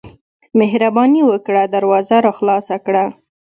مهرباني وکړه دروازه راخلاصه کړه.